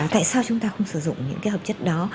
tại sao chúng ta không sử dụng những cái hợp chất đó